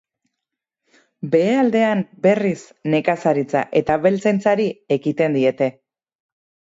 Behealdean, berriz, nekazaritza eta abeltzaintzari ekiten diete.